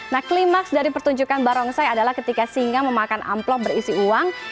nah klimaks dari pertunjukan barongsai adalah ketika singa memakan amplop berisi uang